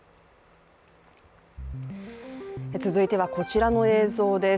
続いてはこちらの映像です。